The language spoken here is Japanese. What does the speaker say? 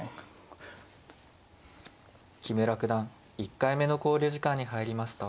木村九段１回目の考慮時間に入りました。